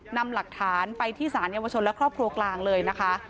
นำหลักฐานไปที่สารเยาวชนและครอบครัวกลางเลยนะคะ